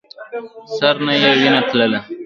سر نه يې وينه تله.